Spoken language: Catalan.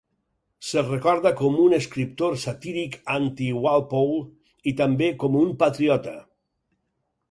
Se'l recorda com un escriptor satíric anti-Walpole i també com un patriota.